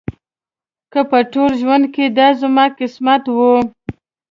که په ټول ژوند کې دا زما قسمت و.